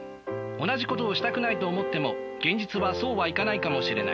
同じことをしたくないと思っても現実はそうはいかないかもしれない。